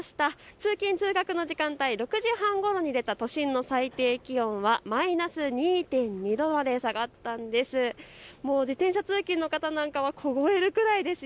通勤通学の時間帯、６時半ごろに出た都心の最低気温はマイナス２．２度まで下がったんです。